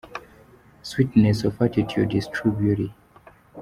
Sweetness of attitude is true beauty.